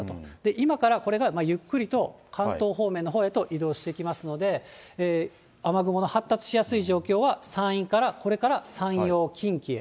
今からこれがゆっくりと関東方面のほうへと移動してきますので、雨雲の発達しやすい状況は、山陰から、これから山陽、近畿へ。